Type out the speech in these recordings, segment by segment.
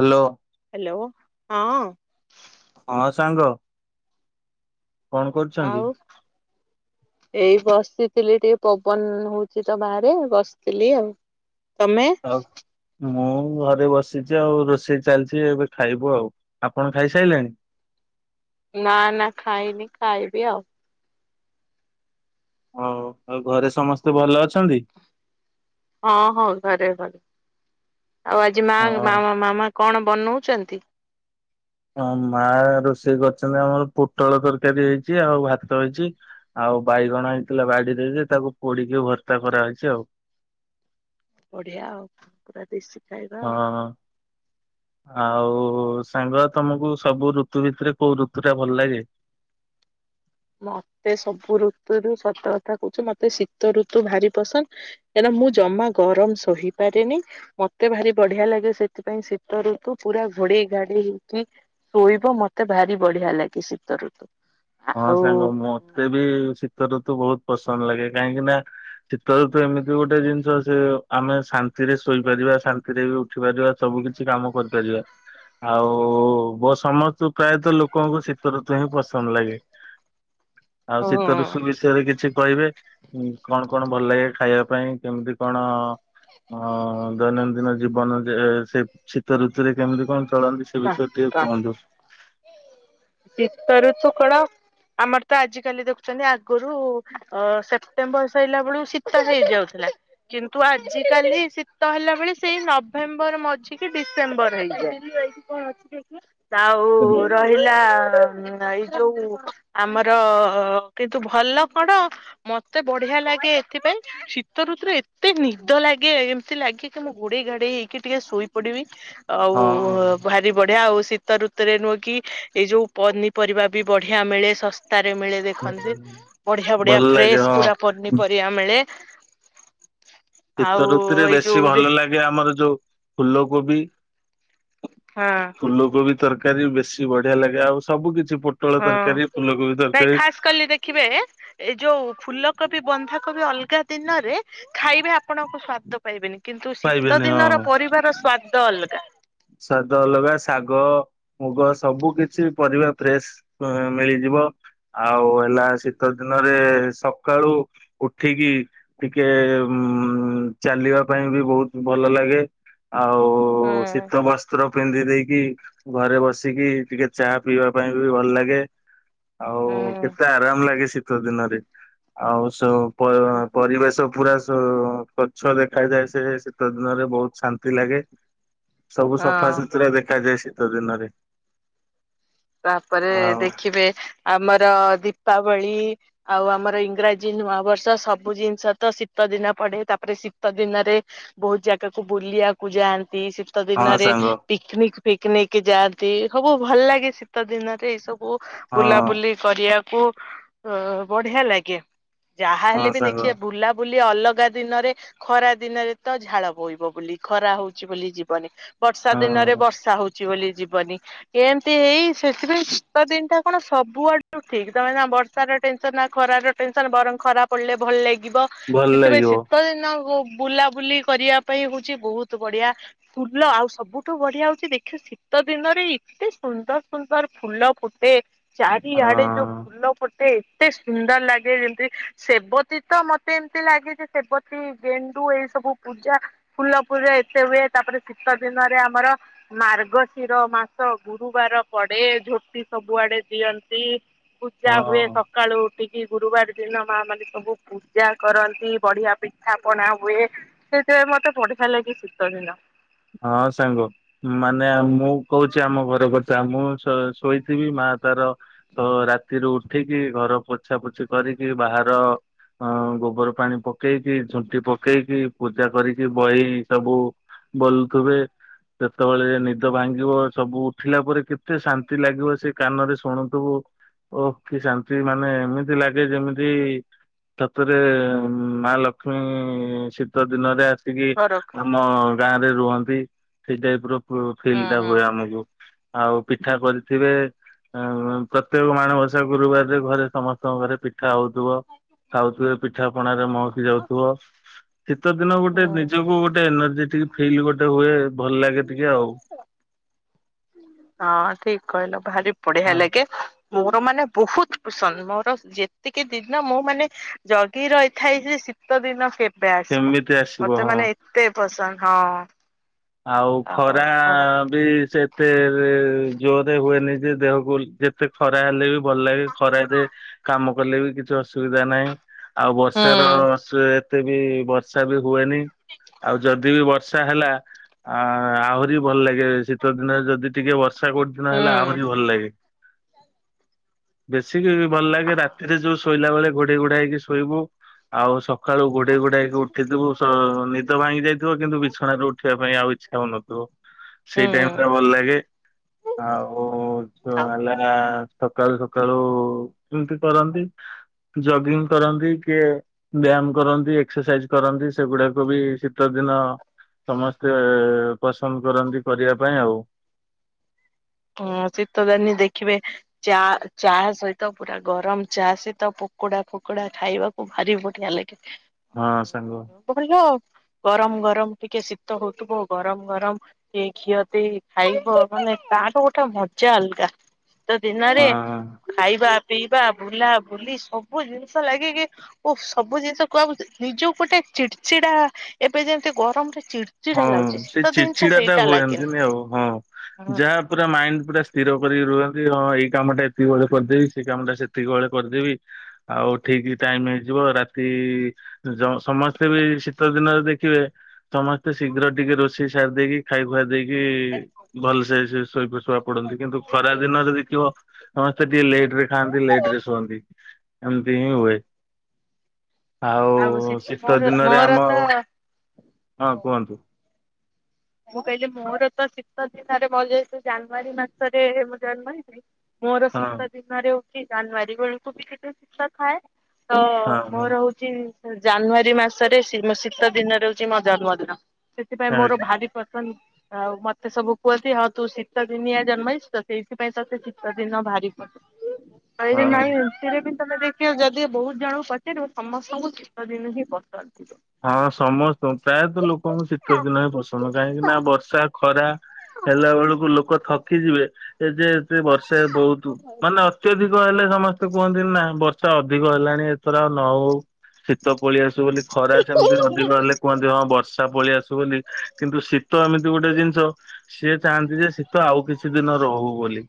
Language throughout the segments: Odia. ହାଲୋ। ହ୍ୟାଲୋ ହଁ। ହଁ ସାଙ୍ଗ। କଣ କରୁଚନ୍ତି? ଆଉ ଏଇ ବସିଥିଲି ଟିକେ ପବନ ହୋଉଚି ତ ବାହାରେ ବସିଥିଲି ଆଉ। ତମେ? ଆଉ ମୁଁ ଘରେ ବସିଚି ଆଉ ରୋଷେଇ ଚାଲିଚି ଏବେ ଖାଇବୁ ଆଉ। ଆପଣ ଖାଇସାଇଲେଣି? ନା ନା ଖାଇନି ଖାଇବି ଆଉ। ହୋଉ ଆଉ ଘରେ ସମସ୍ତେ ଭଲ ଅଛନ୍ତି? ହଁ ହଁ ଘରେ ଘରେ ଭଲ। ଆଉ ଆଜି ହଁ। ମା-ମାଅ ମାମା କଣ ବନଉଛନ୍ତି। ହଁ ମା ରୋଷେଇ କରିଛନ୍ତି ଆମର ପୋଟଳ ତରକାରୀ ହେଇଛି ଆଉ ଭାତ ହେଇଛି ଆଉ ବାଇଗଣ ହେଇଥିଲା ବାଡିରେ ତାକୁ ପୋଡିକି ଭର୍ତ୍ତା କରାହେଇଛି ଆଉ। ବଢିଆ ଆଉ ପୁରା ଦେଶୀ ଖାଇବା ଆଉ। ହଁ। ଆଉ ସାଙ୍ଗ ତମକୁ ସବୁ ଋତୁ ଭିତରେ କୋଉ ଋତୁ ଟା ଭଲ ଲାଗେ। ମତେ ସବୁ ଋତୁରୁ ସତ କଥା କହୁଛୁ ମତେ ଶୀତ ଋତୁ ଭାରି ପସନ୍ଦ କାଁକ ମୁଁ ଜମା ଗରମ ଶହିପାରେନି ମତେ ଭାରି ବଢିଆ ଲାଗେ ସେଥିପାଇଁ ଶୀତ ଋତୁ ପୁରା ଘୋଡେଇ ଘାଡେଇ ହେଇକି ଶୋଇବ ମତେ ଭାରି ବଢିଆ ଲାଗେ ଶୀତ ଋତୁ। ହଁ ଆଉ ସାଙ୍ଗ ମତେ ବି ଶୀତଋତୁ ତ ବହୁତ ପସନ୍ଦ ଲାଗେ କାହିଁକି ନା ଚୀିତରେ ତ ଏମିତି ଗୋଟେ ଜିନିଷ ସେ ଆମେ ଶା ଶାନ୍ତି ରେ ଶୋଇପାରିବା ଶାନ୍ତିରେ ବି ଶଖିପାରିବା ସବୁ କିଛି କାମ କରିପାରିବା ଆଉ ମୋ ସମସ୍ତ ପ୍ରାୟତଃ ଲୋକଙ୍କୁ ଶୀତ ଋତୁ ହିଁ ପସନ୍ଦ ଲାଗେ। ଆଉ ଶୀତ ଋଷୁ ବିଷୟରେ କିଛି କହିବେ କଣ କଣ ଭଲ ଲାଗେ ଖାଇବା ପାଇଁ କେମିତି କଣ ଅ ଦୈନନ୍ଦିନ ଜୀବନ ଯେ ସେ ଶୀତ ଋତୁରେ କେମିତି କଣ ଚଳାନ୍ତି ସେ ବିଷୟରେ ଟିକେ ହଁ କୁହନ୍ତୁ। ଶୀତ ରଋ ତୁ କଳ ଆମର ତ ଆଜିକାଲି ଦେଖୁଛନ୍ତି ଆଗରୁ ସେପ୍ଟେମ୍ବର ସରିଲା ବେଳୁ ଶୀତ ହେଇଯାଉଥିଲା କିନ୍ତୁ ଆଜିକାଲି ଶୀତ ହେଲା ବେଳେ ସେଇ ନଭେମ୍ବର ମଝ କି ଡିସେମ୍ବର ହେଇଯ ଆଉ ହଁ ରହିଲା ଏଇ ଯୋଉ ଆମର କିନ୍ତୁ ଭଲ କଣ ମତେ ବଢିଆ ଲାଗେ ଏଥିପାଇଁ ଶୀତ ଋତୁରେ ଏତେ ନିଦ ଲାଗେ ଏମିତି ଲାଗେ କି ମୁଁ ଘୋଡେଇ ଘାଡେଇ ହେଇକି ଟିକେ ଶୋଇ ପଡିବି। ଆଉ ଭାରି ବଢିଆ ଆଉ। ଶୀତ ଋତୁରେ ନୁହେଁ କି ଏଇ ଯୋଉ ପନିପରିବା ବି ବଢିଆ ମିଳେ ଶ ତାରେ ମିଳେ ଦେଖନ୍ତି ବଢିଆ ଭଲ ବଢିଆ ଲାଗେ ଫ୍ରେଶ ପୁରା ହଁ। ପନିପରିବା ମିଳେ। ଶୀତ ଆଉ ଋତୁରେ ଏଇ ବେଶୀ ଯୋଉ ରେ ଭଲ ଲାଗେ ଆମର ଯୋଉ ଫୁଲୋ କୋବି ହଁ ଫୁଲୁକୁବି ତରକ ତରକାର ବି ବେଶୀ ବଢିଆ ଲାଗେ ଆଉ ସବୁ କିଛି ପୋଟଳ ହଁ ତରକାରୀ ଫୁଲକୋବି ନାଇଁ ତରକାରୀ ଖାସ୍ କଲି ଦେଖିବେ ଏଇ ଯୋଉ ଫୁଲ କୋବି ବି ବନ୍ଧାକ ବି ଅଲଗା ଦିନରେ ଖାଇବେ ଆପଣଙ୍କ ସ୍ଵାଦ ପାଇବେନି। କିନ୍ତୁ ଶୀତ ପାଇବେନି ଦିନର ପରିବାର ସ୍ଵାଦ, ତ ଅଲଗା ଶାଗ ଅଲଗା ଶାଗ ମୁଗ ସବୁ କିଛି ପରିବା ଫ୍ରେଶ ମିଳିଯିବ।। ଆଉ ହେଲା ଶୀତ ଦିନରେ ସକାଳୁ ଉଠିକି ଟିକେ ଉ ଚାଲିବା ପାଇଁ ବି ବହୁତ ଭଲ ଲାଗେ ଆଉ ସି ହୁଁ ବସ୍ତ୍ର ପିନ୍ଧି ଦେଇକି ଘରେ ବସିକି ଟିକେ ଚା ପିଇବା ପାଇଁ ବି ଭଲ ଲାଗେ। ଆଉ କେତେ ହୁଁ ଆରାମ ଲାଗେ ସେ ଶୀତ ଦିନରେ ଆଉ ସ ପ ପରିବେଶ ପୁରା ସ ଗଛ ଦେଖାଯାଏ ସେ ସେତ ଦିନରେ ବହୁତ ଶାନ୍ତି ଲାଗେ। ସବୁ ହଁ। ସଫାସୁତୁରା ଦେଖାଯାଏ ସେ ଶୀତ ଦିନରେ ତାପରେ ଆଉ ଦେଖିବେ ଆମର ଦି ଦୀପାବଳି ଆଉ ଆମର ଇଂରାଜୀ ନୂଆ ବର୍ଷ ସବୁ ଜିନିଷ ତ ଶୀତ ଦିନ ପଡେ ତାପରେ ଶୀତ ଦିନରେ ବହୁତ ଜାଗାକୁ ବୁଲିବାକୁ ଯାଆନ୍ତି। ଶୀତ ହଁ ଦିନରେ ସାଙ୍ଗ ପିକନିକି ପିକିନିକି ଯାଆନ୍ତି ସବୁ ଭଲ ଲାଗେ ଶୀତ ଦିନରେ ଏଇ ସବୁ ହଁ। ବୁଲାବୁଲି କରିବାକୁ କୁ ବଢିଆ ଲାଗେ।। ଯାହା ହେଲେ ହଁ ବି ସାଙ୍ଗ ଦେଖିବା ବୁଲା ବୁଲି ଅଲଗା ଦିନରେ ଖରା ଦିନରେ ତ ଝାଳ ବୋଇବ ବୋଲି ଖରା ହଉଛି ବୋଲି ଯିବନି। ବର୍ଷା ଦିନରେ ହଁ ବର୍ଷା ହଉଛି।। [inaudible] ବୋଲି ଯିବନି ଏମିତି ହେଇ ସେଥିପାଇଁ ଶୀତ ଦିନଟା କଣ ସବୁଆଡୁ ଠିକ୍ ତମେ ନା ବର୍ଷାର ଟେନସନ ନା ଖରାର ଟେନସନ ବରଂ ଖରାପ ପଡ଼ିଲେ ଭଲ ଲାଗି ଲାଗିବ ଭଲ ସେଥିପାଇଁ ଲାଗିବ ଶୀତ ଦିନ କୁ ବୁଲାବୁଲି କରିବା ପାଇଁ ହଉଛି ବହୁତ ବଢିଆ ଫୁଲ ଆଉ ସବୁଠୁ ବଢିଆ ହଉଛି ଦେଖିବା ଶୀତ ଦିନରେ ଏତେ ସୁନ୍ଦର ସୁନ୍ଦର ଫୁଲ ଫୁଟେ।। ଚାରି ହଁ ଆଡେ ଯୋଉଁ ଫୁଲ ଫୁ ମତେ ଏତେ ସୁନ୍ଦର ଲାଗେ ଯେମିତି ସେବତୀ ତ ମତେ ଏମିତି ଲାଗେ ଯେ ସେବତୀ ଗେଣ୍ଡୁ ଏଇ ସବୁ ପୂଜା ଫୁଲ ପୂଜା ଏତେ ହୁଏ ତାପରେ ଶୀତ ଦିନରେ ଆମର ମାର୍ଗଶିର ମାସ ଗୁରୁବାର ପଡେ ଝୋଟି ସବୁଆଡେ ଦିଅନ୍ତି। ପୂଜା ହୁଏ ହଁ। ସକାଳୁ ଉଠିକି କି ଗୁରୁବାର ଦିନ ମା ମାନେ ସବୁ ପୂଜା କରନ୍ତି ବଢିଆ ପିଠା ପଣା ହୁଏ ସେଥିପାଇଁ ମତେ ବଢିଆ ଲାଗେ ଶୀତ ଦିନ।। ହଁ ସାଙ୍ଗ ମାନେ ମୁଁ କହୁଛି ଆମ ଘର କଥା ମୁଁ ଶୋଇଥିବି ମା ତାର ତ ରାତିରୁ ଉଠିକି ଘର ପୋଛା ପୋଛି କରିକି ବାହାର ଗୋବର ପାଣି ପକେଇକି ଝୋଟି ପକେଇକି ପୂଜା କରିକି ବହି ସବୁ ବୋଲୁଥିବେ ସେତେବେଳେ ନିଦ ଭାଙ୍ଗିବ ସବୁ ଉଠିଲା ପରେ କେତେ ଶାନ୍ତି ଲାଗିବ ସେ କାନରେ ଶୁଣୁଥିବୁ ଓ କି ଶାନ୍ତି ମାନେ ଏମିତି ଲାଗେ ଯେମିତି ସତରେ ମା ଲକ୍ଷ୍ମୀ ଶୀତ ଦିନରେ ଆସିକି ଘରକୁ ଆମ ରୁହନ୍ତି ସେଇ ଟାଇପ ର ଫିଲ୍ ହୁଁ ଟା ହୁଁ। ହୁଏ ଆମକୁ ଆଉ ପିଠା କରିଥିବେ ପ୍ରତ୍ୟେକ ମାଣବସା ଗୁରୁବାରରେ ଘରେ ସମସ୍ତେ ଙ୍କ ଘରେ ପିଠା ହଉଥିବ ଖାଉଥିବେ ପି ପଣା ମହକି ଯାଉଥିବ। ଶୀତ ଦିନ ଗୋଟେ ହଁ। ନିଜକୁ ଗୋଟେ ଏନର୍ଜେଟିକ ଫିଲ୍ ଗୋଟେ ହୁଏ ଭଲ ଲାଗେ ଟିକେ ଆଉ। ହଁ ଠିକ କହିଲ। ଭାରି ପଢିଆ ହଁ ଲାଗେ ମୋର ମାନେ ବହୁତ ପସନ୍ଦ ମୋର ଯେତିକି ଦିନ ମୁଁ ମାନେ ଜଗି ରହିଥାଏ ଯେ ଶୀତ ଦିନ କେବେ ଆସିବ କେମିତି ଆସିବ ମତେ ହଁ। ମାନେ ଏତେ ପସନ୍ଦ ହଁ। ଆଉ ଖରା ବି ସେ ସେ ଯୋଧେ ହୁଏ ନ ଯେ ଦେହକୁ ଯେତେ ଖରା ହେଲେ ବି ଭଲ ଲାଗେ ଖରା ଯେ କାମ କଲେ ବି କିଛି ଅସୁବିଧା ନାହିଁ। ଆଉ ବର୍ଷା ର ସେ ଏତେ ବି ବର୍ଷା ବି ହୁଏନି ଆଉ ଯଦି ବି ବର୍ଷା ହେଲା ଆ ଆହୁରି ଭଲ ଲାଗେ ଶୀତ ଦିନରେ ଯଦି ଟିକେ ବର୍ଷ ଆ କରୁଛି ନ ହୁଁ ହେଲେ ଆମରି ବି ଭଲ ଲାଗେ। ବେଶ ଆସିକି ବି ଭଲ ଲାଗେ ରାତିରେ ଯୋଉ ଶୋଇଲା ବେଳେ ଘୋଡେଇ ଘୋଡା ହେକି ଶୋଇବୁ ଆଉ ସ ସକାଳୁ ଘୋଡେଇ ଘୋଡେଇକି ଉଠିଥିବୁ ସ ନିଦ ଭାଙ୍ଗି ଯାଇଥିବ କିନ୍ତୁ ବିଛଣାରେ ଉଠିବା ଆଉ ଇଚ୍ଛା ହଉନଥିବ ସେଇ ଟାଇମ ହୁଁ ଟା ଭଲ ଲାଗେ ଆଉ ଯଉ ଆଉ ହେଲା ସକାଳୁ ସକାଳୁ ଏମିତି କରନ୍ତି ଜଗିଙ୍ଗ କରନ୍ତି କିଏ ବ୍ୟାୟାମ କରନ୍ତି ଏକ୍ସରସାଇଜ କରନ୍ତି ସେଗୁଡାକୁ ବି ଶୀତ ଦିନ ସମସ୍ତେ ପସନ୍ଦ କରନ୍ତି କରିବା ପାଇଁ ଆଉ ହଁ ଶୀତ ଦିନ ଦେଖିବେ ଚା ଚା ସହିତ ପୁରା ଗରମ ଚା ସହିତ ପକୁଡା ଫକୁଡା ଖାଇବାକୁ ଭାରି ବଢିଆ ଲାଗେ। ହଁ ସାଙ୍ଗ ବଢିଆ ଗରମ ଗରମ ଟିକେ ଶୀତ ହଉଥିବ ଗରମ ଗରମ ଟିକେ ଘିଅ ଦେଇ ଖାଇବ ମାନେ ତା ଗୋଟେ ମଜା ଅଲଗା। ତ ଦିନରେ ହଁ। ଖାଇବା ପିଇବା ବୁଲା ବୁଲି ସବୁ ଜିନିଷ ଲାଗିକି ଓ ସବୁ ଜିନିଷ କୁହାକୁୁ ନିଜକୁ ଗୋଟେ ଚିଡ଼ଚିଡା ଏବେ ଯେମିତି ଗରମରେ ହଁ ଚିଡଚିଡା ଲାଗୁଛି ସେଇ ଶୀତ ଦିନ ଚିଡ୍ ଚିଡା ଟା ସେଇଟା ଲାଗେନି। ହୁଏନ୍ତିନି ଆଉ ହଁ ହଁ ଯାହା ପୁରା ମାଇଣ୍ଡ ପୁରା ସ୍ଥିର କରିକି ରୁହନ୍ତି ହଁ ଏଇ କାମଟା ଏତିକି ବେଳେ କରିଦେବି ସେଇ କାମ ଟା ସେତିକିବେଳେ କରିଦେବି ଆଉ ଠିକ୍ ଟାଇମ୍ ହେଇଯିବ ରାତି ଯ ସମସ୍ତେ ବି ଏଇ ସିତ ଦିନରେ ଦେଖିବେ ସମସ୍ତେ ତ ଶୀଘ୍ର ଟିକେ ରୋଷେଇ ସାରି ଦେଇକି ଖାଇବୁ ଗାଧୋଇ କି କି ଭଲସେ ସେ ଶୋଇ ସୁଆ ପଡନ୍ତି କିନ୍ତୁ ଖରା ଦିନରେ ଦେଖିବ ସମସ୍ତେ ଟିକେ ଲେଟ ରେ ଖାଆନ୍ତି ଲେଟ ରେ ଶୁଅନ୍ତି। ଏମତି ହିଁ ହୁଏ। ଆଉ ଶୀତ ମୋର ଦିନରେ ଆମ ମୋର ହଁ ତ ଅନ୍ତୁ ମୁଁ କହିଲି ମୋର ତ ଶୀତ ଦିନରେ ମଜ ହେ ସେ ଜାନୁଆରୀ ମାସରେ ମୁଁ ଜନ୍ମ ହେଇଥିଲି ମୋର ହଁ ଶତ ଦିନରେ କି ଜାନୁଆରୀ ବେଳକୁ ବି କେତେ ଶିତ ଥାଏ। ତ ହଁ ମୋର ହଉଛି ଜାନୁଆରୀ ମାସରେ ସି ଶୀତ ଦିନରେ ହଉଛି ମୋ ଜନ୍ମଦିନ। ସେଥିପାଇଁ ହଁ ମୋର ଭାରି ଆଉ ମତେ ସବୁ କୁହନ୍ତି ହଉ ତୁ ଶୀତ ଦିନିଆ ଜନ୍ମହେଇଚୁ ତ ସେଇଥିପାଇଁ ତତେ ଶୀତ ଦିନ ଭାରି ପଡେ ଆ ହଁ। ନାଇ ଏମିତିରେବି ତରେ ଦେଖିବ ଯଦି ବହୁତ ଜଣଙ୍କୁ ପଚାରିବ ସମସ୍ତଙ୍କୁ ଶୀତ ଦିନ ହିଁ ପସନ୍ଦ। ଥିବ। ହଁ ସମସ୍ତ ପ୍ରାୟତଃ ଲୋକଙ୍କୁ ଶୀତ ଦିନ ହିଁ ପସନ୍ଦ କାହିଁକି ନା ବର୍ଷା ଖରା ହେଲା ବେଳକୁ ଲୋକ ଥକିଯିବେ ଏ ଯେ ଏତେ ବର୍ଷା ବହୁତ ମାନେ ଅତ୍ୟଧିକ ହେଲେ ସମସ୍ତେ କୁହନ୍ତି ନା ବର୍ଷ ଶିତ ଅଧିକ ହେଲାଣି ଏଥର ଆଉ ନ ହଉ ଶୀତ ପୋଳି ଆସୁ ବୋଲି ଖରା ସେମିତି ଅଧିକ ହେଲେ କୁହନ୍ତି ହଁ ବର୍ଷା ପଳେଇ ଆସୁ ବୋଲି କିନ୍ତୁ ଶୀତ ଏମିତି ଗୋଟେ ଜିନିଷ ସିଏ ଚାହାନ୍ତି ଯେ ଶୀତ ଆଉ କିଛି କିଛି ଦିନ ରହୁ ବୋଲି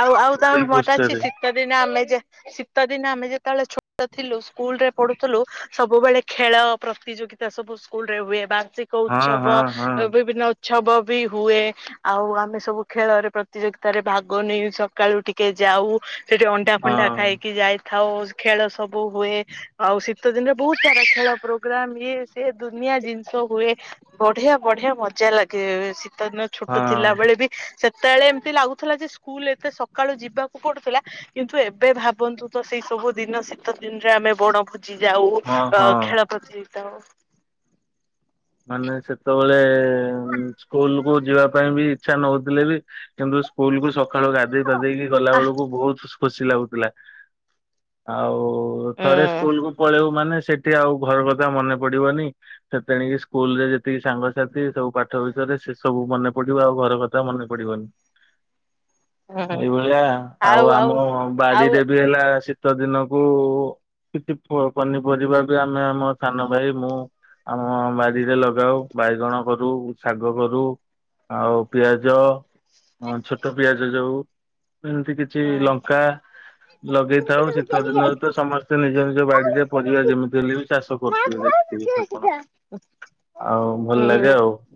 ଆଉ ଆଉ ସେଇ ତମକୁ ମତେ ଅଛି ପୃଷ୍ଠରେ ଶୀତ ଦିନ ଆମେ ଯେ ଶୀତ ଦିନ ଆମେ ଯେତେବେଳେ ଛୋଟ ଥିଲୁ ସ୍କୁଲ ରେ ପଢୁଥିଲୁ ସବୁବେଳେ ଖେଳ ପ୍ରତିଯୋଗିତା ସବୁ ସ୍କୁଲ ରେ ହୁଏ ବା ମାସିକ ହଁ ଉତ୍ସବ ହଁ ହଁ ବିଭିନ୍ନ ଉଛବ ବି ହୁଏ ଆଉ ଆମେ ସବୁ ଖେଳରେ ପ୍ରତିଯୋଗିତାରେ ଭାଗ ଗନେ ବି ସକାଳୁ ଟିକେ ଯାଉ ସେଠି ଅଣ୍ଡା ଫଣ୍ଡା ଖାଇକି ଯାଇ ଆଉ ଖେଳ ସବୁ ହୁଏ ଆଉ ଶୀତ ଦିନରେ ବହୁତ ସାରା ଖେଳ ପ୍ରୋଗ୍ରାମ ଇଏ ସେ ଦୁନିଆ ଜିନିଷ ହୁଏ ବଢିଆ ବଢିଆ ମଜା ଲାଗେ ସି ସିତ ଦିନ ହଁ ଛୋଟ ଥିଲା ହଁ ବେଳେ ବି ସେ ତେଳେ ଏମିତି ଲାଗୁଥିଲା ଯେ ସୁ ସ୍କୁଲ ଏତେ ସକାଳୁ ଯିବାକୁ ପଡୁଥିଲା କିନ୍ତୁ ଏବେ ଭାବନ୍ତୁ ତ ସେଇ ସବୁ ଦିନ ଶୀତ ଦିନରେ ଆମେ ବଣ ଭୋ ଯାଉ ହଁ ଅ ହଁ। ଖେଳ ପ୍ରତି ତ ମାନେ ସେତେବେଳେ ସ୍କୁଲ କୁ ଯିବା ପାଇଁ ବି ଇଚ୍ଛା ନହଉଥିଲେ ବି କିନ୍ତୁ ସ୍କୁଲ କୁ ସ ସକାଳୁ ଗାଧେଇ ଫାଧେଇକି ଗଲା ଆ ବେଳକୁ ବହୁତ ଖୁସି ଲାଗୁଥିଲା ଆଉ ଆଉ ଥରେ ସ୍କୁଲ ଉଁ କୁ ପଳେଇଉ ମାନେ ସେ ସେଠି ଆଉ ଘର କଥା ମନେ ପଡିବନି ସେ ତେଣିକି ସ୍କୁଲ ରେ ଯେତିକି ସାଙ୍ଗସାଥି ସବୁ ପାଠ ବିଷୟରେ ସେ ସବୁ ମନେ ପଡିବ ଆଉ ଘର କଥା ମନେ ପଡିବନି। ହୁଁ ଏଇଭଳିଆ ଆଉ ଆମ ଆଉ ବାଡ଼ିରେ ବି ହେଲା ସେ ଶୀତ ଦିନକୁ କିଛି ପନିପରିବା ବି ଆମେ ଆମ ସାନ ଭାଇ ମୁଁ ଆମବା ବାଡିରେ ଲଗାଉ ବାଇଗଣ କରୁ ଶାଗ କରୁ ଆଉ ପିଆଜ ହଁ ଛୋଟ ପିଆଜ ଯଉ ଏମିତି କିଛି ହୁଁ ଲଙ୍କା ଲଗେଇଥାଉ ଶୀତ ଦିନରେ ତ ସମସ୍ତେ ନିଜ ନିଜ ନିଜ ବାଡିରେ ପରିବା ଯେମିତି ହେଲେ ବି ଚାଷ କରୁିଥିବେ ଦେ ସେଇଠି ଥା ଭଲ ହୁଁ ଲାଗେ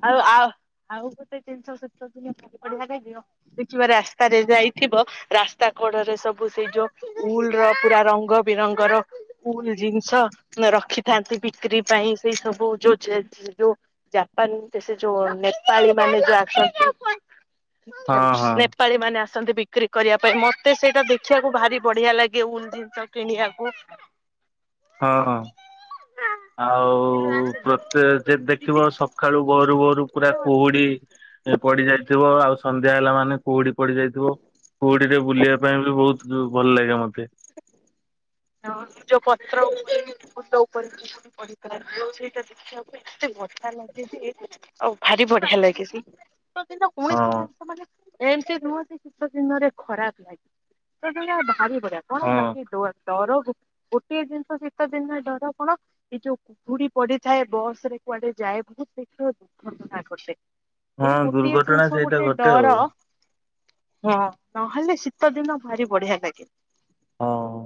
ଆଉ ଆଉ ଆଉ ଗୋଟେ ଜିନିଷ ଶୀତ ଦିନେ ବଢିଅଆ ଦେଖିବ ରାସ୍ତାରେ ଯାଇଥିବ ରାସ୍ତା କଡ଼ରେ ସବୁ ସେଇ ଯୋଉ ଉଲ ର ପୁରା ରଙ୍ଗ ବେରଙ୍ଗର ଉଲ ଜିନିଷ ରଖିଥାନ୍ତି ବିକ୍ରି ପାଇଁ ସେଇ ସବୁ ଯୋଉ ଯୋଉ ଜାପାନ ସେ ଯୋଉ ନେପାଳୀ ମାନେ ଯୋଉ ଆସନ୍ତି ହଁ ହଁ ନେପାଳୀ ମାନେ ଆସ ଆସନ୍ତି ବିକ୍ରି କରିବା ପାଇଁ ମତେ ସେଇଟା ଦେଖିବାକୁ ଭାରି ବଢିଆ ଲାଗେ ଉଲ ଜିନିଷ କିଣିବାକୁ। ହଁ ହଁ। [unintelligible] ଆଉ ପ୍ରତେ ଦେଖିବ ସକାଳୁ ଭୋରୁ ଭୋରୁ ପୁରା କୁହୁଡି ପଡି ଯାଇଥିବ ଆଉ ସନ୍ଧ୍ୟା ହେଲା ମାନେ କୁହୁଡି ପଡିଯାଇଥିବ କୁହୁଡିରେ ବୁଲିବା ପାଇଁ ବି ବହୁତ ଭଲ ଲାଗେ ମୋ ହଁ ଯୋଉ ପତ୍ର ମୁଣ୍ଡ ଉପରେ ସେଇଟା ପଡିଥାଏ ଏ ଜିନିଷ ଦେଖିବା ପାଇଁ ମଜା ଲାଗେ ଆଉ ଭାରି ବଢି ଲାଗେ ସେ ଦିନ ହଁ କୌଣସି ଜିନିଷ ମାନେ ଏମିତି ରୁହନ୍ତି ଶୀତ ଦିନରେ ଖରାପ ଲାଗେ ସେଦିନ ଭାରି ବଢି କଣ ହଁ ବାକି ଡର ଗୋଟିଏ ଜିନିଷ ଶୀତ ଦିନେ ଡର କଣ ଏଇ ଯୋଉ କୁହୁଡି ପଡିଥାଏ ବସ୍ ରେ କୁଆଡେ ଯାଏ ବହୁତ ଶୀଘ୍ର ଦୁଃଖ [unintelligible] କରିଦିଏ। ହଁ ଏଇ ଗୋଟିଏ ଦୁର୍ଘଟଣା ଜିନିଷ ସେଇଟା ଗୋଟେ ଘଟେ ଡର। ଆଉ ହଁ ନହେଲେ ଶୀତ ଦିନ ଭାରି ବଢିଆ ଲାଗେ। ହଁ।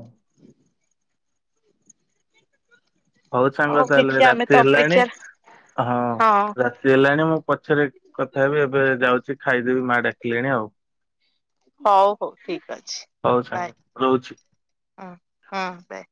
ହଉ ସାଙ୍ଗ ତାହେଲେ ଦେଖିବା ଆମେ ରାତି ତ ହେଲାଣି। ଅପେକ୍ଷାରେ ହଁ ରାତି ହେଲାଣି ମୁଁ ପଛରେ କଥା ହେବି ଏବେ ଯାଉଛି ଖାଇଦେବି ମା ଡାକିଲେଣି ଆଉ। ହଉ ହଉ ଠିକ ଅଛି। ହଉ ସାଙ୍ଗ ବାଏ। ରହୁଛି। ହଁ ବାଏ।